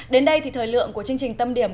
đến đây thì thời lượng của chương trình tâm điểm